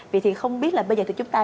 vậy thì không biết là bây giờ thì chúng ta